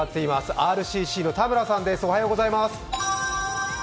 ＲＣＣの田村さんです。